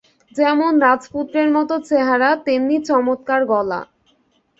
যেমন রাজপুত্রের মতো চেহারা, তেমনি চমৎকার গলা।